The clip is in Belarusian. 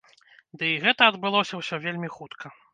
Ды і гэта адбылося ўсё вельмі хутка.